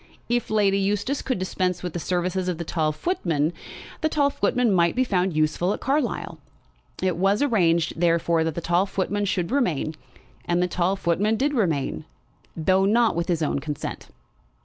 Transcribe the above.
If Lady Eustace could dispense with the services of the tall footman, the tall footman might be found useful at Carlisle. It was arranged, therefore, that the tall footman should remain; and the tall footman did remain, though not with his own consent.